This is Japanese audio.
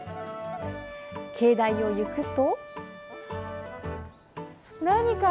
境内を行くと。